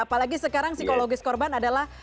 apalagi sekarang psikologis korban adalah